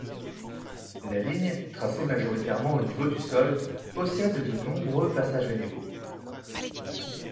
La ligne, tracée majoritairement au niveau du sol, possède de nombreux passages à niveau.